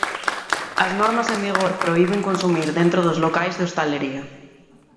As normas en vigor prohiben consumir dentro dos locais de hostalería.